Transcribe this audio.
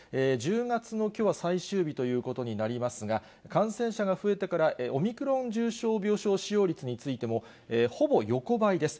１０月のきょうは最終日ということになりますが、感染者が増えてから、オミクロン重症病床使用率についてもほぼ横ばいです。